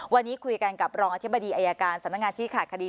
วันนี้คุยกันกับรองอธิบดีอายการสำนักงานชี้ขาดคดี